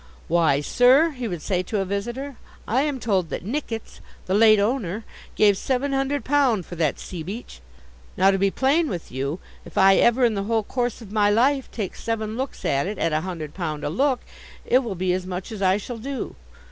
'Why, sir,' he would say to a visitor, 'I am told that Nickits,' the late owner, 'gave seven hundred pound for that Seabeach. Now, to be plain with you, if I ever, in the whole course of my life, take seven looks at it, at a hundred pound a look, it will be as much as I shall do.